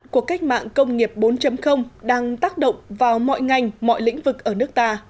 cuộc cách mạng công nghiệp bốn đang tác động vào mọi ngành mọi lĩnh vực ở nước ta